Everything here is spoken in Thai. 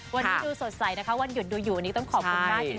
วันนี้ดูสดใสนะคะวันหยุดดูอยู่อันนี้ต้องขอบคุณมากจริง